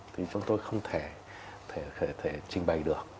thì chúng tôi không thể trình bày được